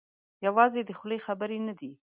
یوازې د خولې خبرې نه دي.